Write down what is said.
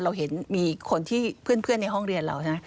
เราเห็นมีคนที่เพื่อนในห้องเรียนเราใช่ไหม